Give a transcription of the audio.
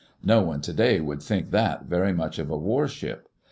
No one today would think that very much of a warship.